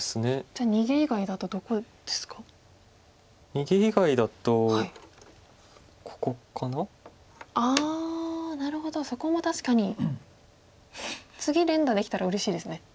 ああなるほどそこも確かに次連打できたらうれしいですね。